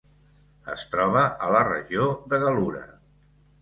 Es troba a la regió de Gal·lura.